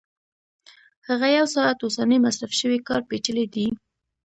هغه یو ساعت اوسنی مصرف شوی کار پېچلی دی